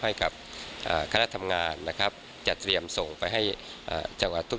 ให้กับข้าวรักษ์ทำงานนะครับแต่เตรียมส่งไปให้จังหวัดทุก